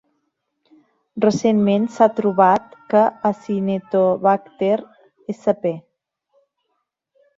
Recentment s'ha trobat que "Acinetobacter" sp.